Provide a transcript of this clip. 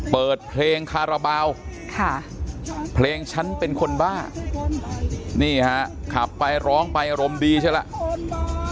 เปิดเพลงคาราบาลค่ะเพลงฉันเป็นคนบ้านี่ฮะขับไปร้องไปอารมณ์ดีใช่ไหม